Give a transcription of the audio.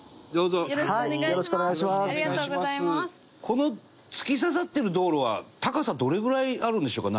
この突き刺さってる道路は高さどれぐらいあるんでしょうか？